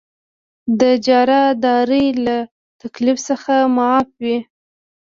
د اجاره دارۍ له تکلیف څخه معاف وي.